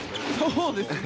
そうですね。